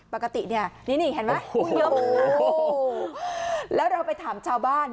ปกติเนี่ยนี่เห็นไหมเยอะมากโอ้โหแล้วเราไปถามชาวบ้าน